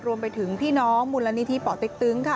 รวมไปถึงพี่น้องมูลนิธิป่อเต็กตึงค่ะ